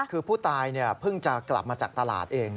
คือผู้ตายเพิ่งจะกลับมาจากตลาดเอง